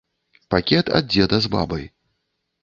Пакет ад дзеда з бабай.